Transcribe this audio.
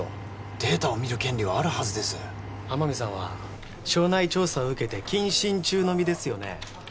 データを見る権利はあるはずです天海さんは省内調査を受けて謹慎中の身ですよね